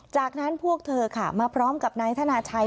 จากนั้นพวกเธอค่ะมาพร้อมกับนายธนาชัย